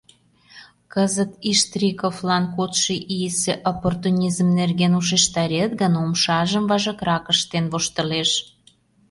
Кызыт Иштриковлан кодшо ийысе оппортунизм нерген ушештарет гын, умшажым важыкрак ыштен воштылеш.